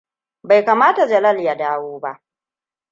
Bai kamata Jalal ya dawo ba.